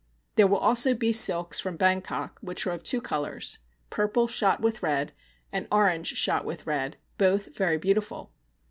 There will also be silks from Bangkok, which are of two colours purple shot with red, and orange shot with red, both very beautiful.